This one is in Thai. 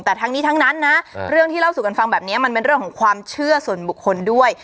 แต่ทั้งนี้ทั้งนั้นนะเรื่องที่เล่าสู่กันฟังแบบนี้มันเป็นเรื่องของความเชื่อส่วนบุคคลด้วย